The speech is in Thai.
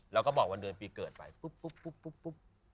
เราก็บอกวันเดือนปีเกิดไปปุ๊บปุ๊บปุ๊บ